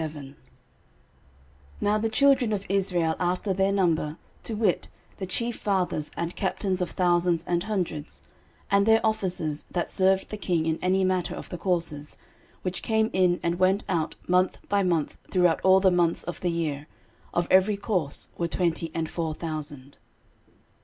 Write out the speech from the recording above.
13:027:001 Now the children of Israel after their number, to wit, the chief fathers and captains of thousands and hundreds, and their officers that served the king in any matter of the courses, which came in and went out month by month throughout all the months of the year, of every course were twenty and four thousand.